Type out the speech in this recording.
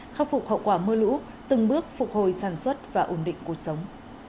khắc phục hậu quả mưa lũ từng bước phục hồi sản xuất và ổn định cuộc sống